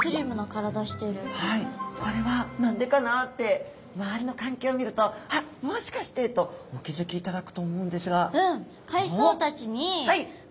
はいこれは何でかなって周りの環境を見ると「あっもしかして！」とお気付きいただくと思うんですが。